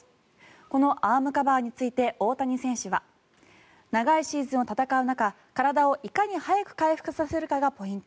このアームカバーについて大谷選手は長いシーズンを戦う中体をいかに早く回復させるかがポイント。